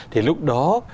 thì lúc đó